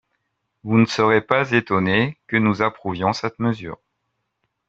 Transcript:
Vous ne serez pas étonnés que nous approuvions cette mesure.